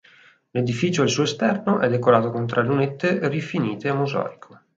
L'edificio al suo esterno è decorato con tre lunette rifinite a mosaico.